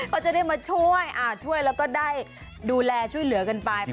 เขาจะได้มาช่วยช่วยแล้วก็ได้ดูแลช่วยเหลือกันไป